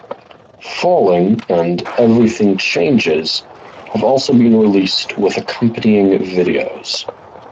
"Falling" and "Everything Changes" have also been released with accompanying videos.